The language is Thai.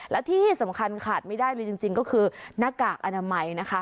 และที่สำคัญขาดไม่ได้เลยจริงก็คือหน้ากากอนามัยนะคะ